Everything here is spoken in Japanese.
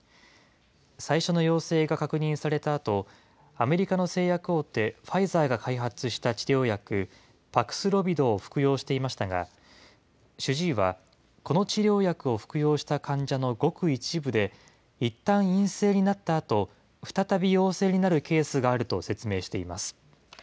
最初の陽性が確認されたあと、アメリカの製薬大手、ファイザーが開発した治療薬、パクスロビドを服用していましたが、主治医は、この治療薬を服用した患者のごく一部で、いったん陰性になったあと、再び陽性になるケースがあると説明しています。